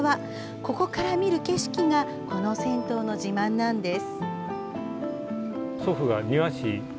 ここから見る景色がこの銭湯の自慢なんです。